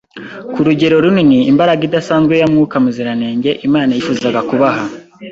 ku rugero runini imbaraga idasanzwe ya Mwuka Muziranenge Imana yifuzaga kubaha.